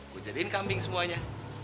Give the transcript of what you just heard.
gua jadiin kambing semuanya